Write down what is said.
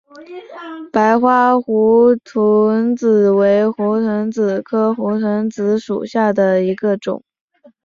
白花胡颓子为胡颓子科胡颓子属下的一个种。